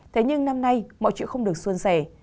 thế nhưng năm nay mọi chuyện không được xuân sẻ